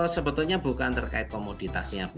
sebetulnya bukan terkait komoditasnya